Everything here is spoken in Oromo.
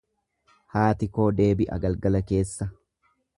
Haati koo deebi'a galgala keessa.